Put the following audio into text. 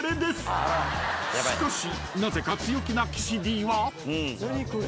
［しかしなぜか強気な岸Ｄは］